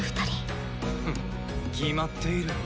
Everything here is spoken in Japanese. フッ決まっている。